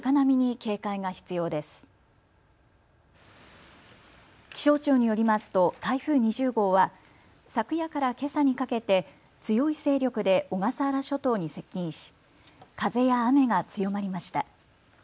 気象庁によりますと台風２０号は昨夜からけさにかけて強い勢力で小笠原諸島に接近し風や雨が強まりました。